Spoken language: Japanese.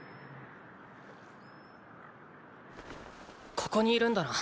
ここにいるんだな。